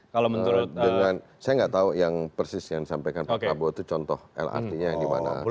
saya nggak tahu yang persis yang disampaikan pak prabowo itu contoh lrt nya yang di mana